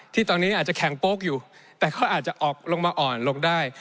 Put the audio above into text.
ที่ตอนนี้อาจจะแข่งโป๊กอยู่แต่เขาอาจจะออกลงมาอ่อนลงได้